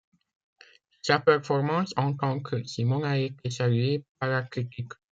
Sa performance en tant que Simon a été saluée par la critique.